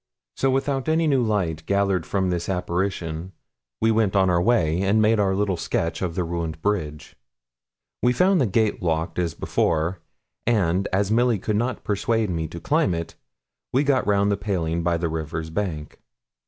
So, without any new light gathered from this apparition, we went on our way, and made our little sketch of the ruined bridge. We found the gate locked as before; and, as Milly could not persuade me to climb it, we got round the paling by the river's bank.